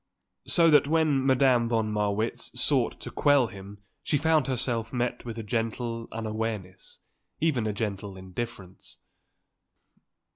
So that when Madame von Marwitz sought to quell him she found herself met with a gentle unawareness, even a gentle indifference.